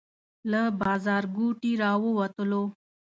له بازارګوټي راووتلو.